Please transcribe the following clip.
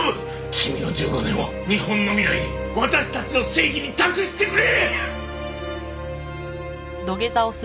君の１５年を日本の未来に私たちの正義に託してくれ！